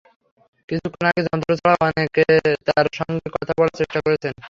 কিছুক্ষণ আছে যন্ত্র ছাড়া অনেকে তার সঙ্গে কথা বলার চেষ্টা করেছেন।